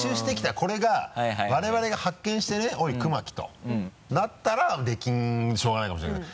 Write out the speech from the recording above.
これが我々が発見してね「おい熊木」となったら出禁しょうがないかもしれないけど。